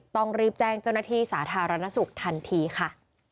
ต้องรีบแจ้งเจ้าหน้าที่สาธารณสุขทันทีค่ะ